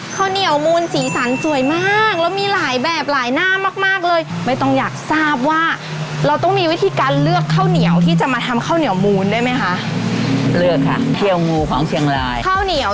ข้าวเหนียวเคี่ยวงูของเชียงราย